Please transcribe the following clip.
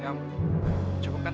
ya amp cukup kan